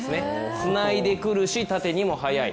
つないでくるし、縦にも速い。